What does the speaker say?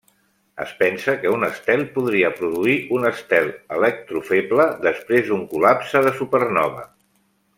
Es pensa que un estel podria produir un estel electrofeble després d'un col·lapse de supernova.